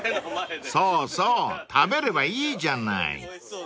［そうそう食べればいいじゃない］